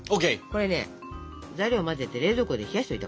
これね材料を混ぜて冷蔵庫で冷やしといたから。